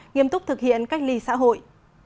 nghiêm túc thực hiện cách ly xã hội